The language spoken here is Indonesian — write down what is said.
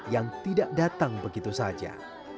yang tidak datang begitu saja